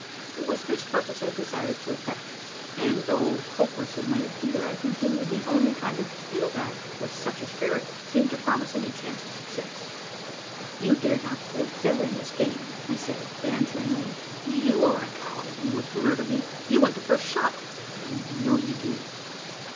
It was this purpose I desired to effect; and, though hopeless it might appear, I continued the only kind of appeal that, with such a spirit, seemed to promise any chance of success. "You dare not play fair in this game?" I said, banteringly. "You are a coward; and would murder me. You want the first shot: you know you do?"